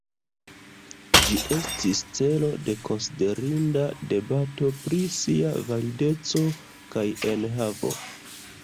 Ĝi estis celo de konsiderinda debato pri sia valideco kaj enhavo.